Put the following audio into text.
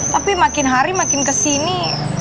tapi makin hari makin kesini